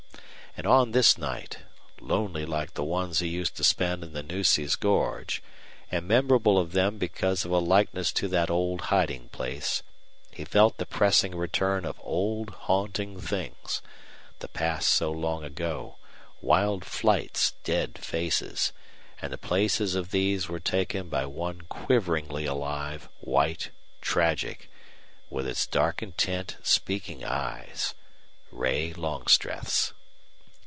And on this night, lonely like the ones he used to spend in the Nueces gorge, and memorable of them because of a likeness to that old hiding place, he felt the pressing return of old haunting things the past so long ago, wild flights, dead faces and the places of these were taken by one quiveringly alive, white, tragic, with its dark, intent, speaking eyes Ray Longstreth's.